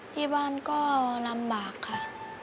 ที่บ้านก็ลำบากค่ะ